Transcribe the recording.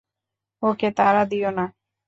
ওকে তাড়া দিও না।